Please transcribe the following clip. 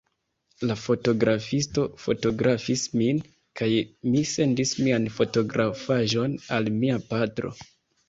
La fotografisto fotografis min, kaj mi sendis mian fotografaĵon al mia patro.